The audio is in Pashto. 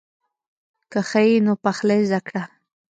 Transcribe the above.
که ښه یې نو پخلی زده کړه.